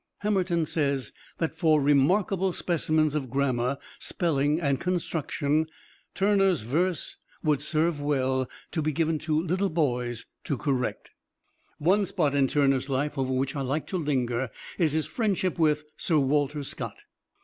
Hamerton says that for remarkable specimens of grammar, spelling and construction Turner's verse would serve well to be given to little boys to correct. One spot in Turner's life over which I like to linger is his friendship with Sir Walter Scott.